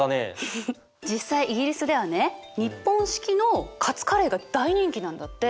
実際イギリスではね日本式のカツカレーが大人気なんだって。